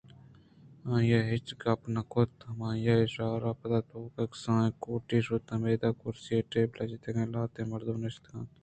آئیءَ ہچ گپ نہ کُتءُہمائی ءِ اشارہ ءِ پداں توک ءَ کسانیں کوٹی ءَ شت کہ ہمودا کرسی ءُ ٹیبل جتگ ءُلہتیں مردم نشتگ اِت اَنت